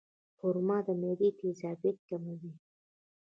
خرما د معدې تیزابیت کموي.